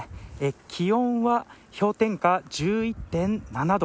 気温は氷点下１１．７度。